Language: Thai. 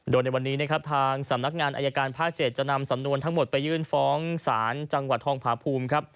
โดยในวันนี้นะครับทางสำนักงานอายการภาค๗จะนำสำนวนทั้งหมดไปยื่นฟ้องศาลจังหวัดทองผาภูมิครับ